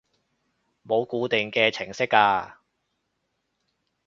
冇固定嘅程式㗎